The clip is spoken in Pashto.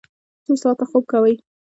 څو ساعته خوب کوئ؟